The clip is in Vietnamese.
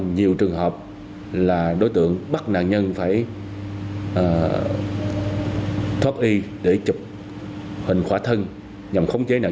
nhiều trường hợp là đối tượng bắt nạn nhân phải thoát y để chụp hình khỏa thân nhằm khống chế nạn